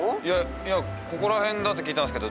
いやここら辺だって聞いたんすけど。